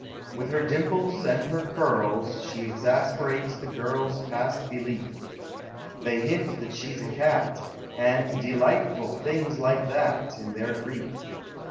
With her dimples and her curls She exasperates the girls Past belief: They hint that she 's a cat, And delightful things like that, Iu their grief.